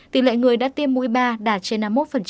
tỷ lệ người đã tiêm mũi ba đạt trên năm mươi một